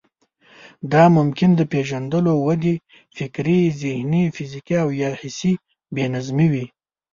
دا ممکن د پېژندلو، ودې، فکري، ذهني، فزيکي او يا حسي بې نظمي وي.